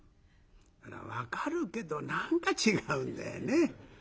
分かるけど何か違うんだよね。